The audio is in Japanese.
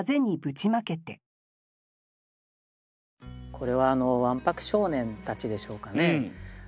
これはわんぱく少年たちでしょうかね。